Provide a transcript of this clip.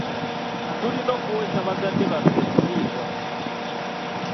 Tulina okuweesa bazadde baffe ekitiibwa.